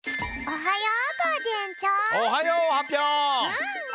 おはよう！